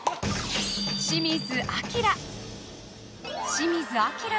清水アキラ。